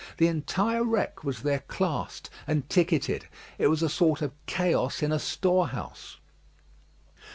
The entire wreck was there classed and ticketed. It was a sort of chaos in a storehouse.